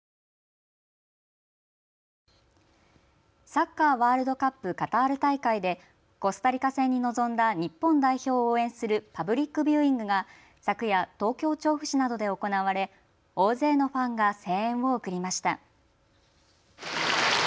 サッカーワールドカップカタール大会でコスタリカ戦に臨んだ日本代表を応援するパブリック・ビューイングが昨夜、東京調布市などで行われ大勢のファンが声援を送りました。